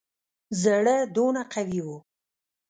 زړه دونه قوي وو.